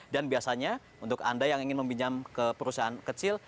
dan biasanya untuk anda yang ingin meminjam ke perusahaan kecil